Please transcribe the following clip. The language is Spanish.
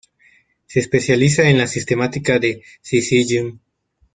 Se especializa en la sistemática de "Syzygium".